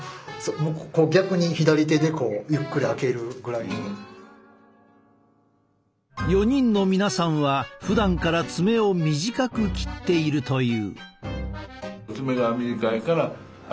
特に４人の皆さんはふだんから爪を短く切っているという。